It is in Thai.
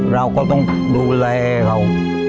เราก็ต้องดูแลเรา